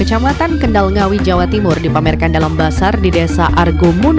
alhasil para pengunjung akhirnya tertarik untuk membeli durian tersebut